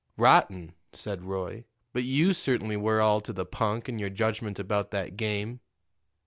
"Rotten," said Roy. "But you certainly were all to the punk in your judgment about that game."